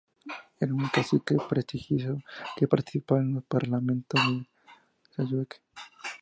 Era un cacique prestigioso que participaba en los parlamentos de Sayhueque.